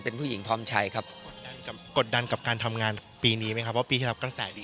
เป็นผู้หญิงพร้อมชัยครับ